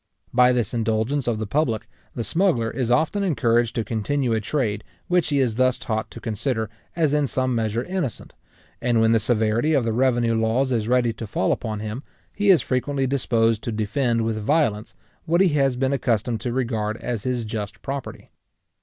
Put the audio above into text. By this indulgence of the public, the smuggler is often encouraged to continue a trade, which he is thus taught to consider as in some measure innocent; and when the severity of the revenue laws is ready to fall upon him, he is frequently disposed to defend with violence, what he has been accustomed to regard as his just property.